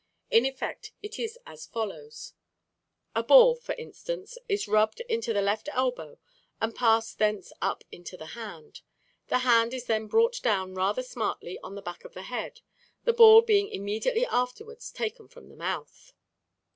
In effect it is as follows: A ball, for instance, is rubbed into the left elbow and passed thence up into the hand. The hand is then brought down rather smartly on the back of the head, the ball being immediately afterwards taken from the mouth.